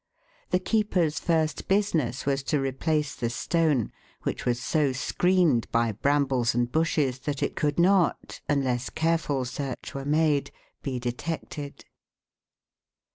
The keeper's first business was to replace the stone, which was so screened by brambles and bushes that it could not, unless careful search were made, be detected.